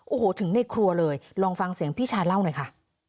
โอ้โหถึงในครัวเลยลองฟังเสียงพี่ชายเล่าหน่อยค่ะ